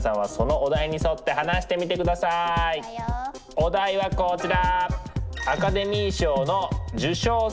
お題はこちら！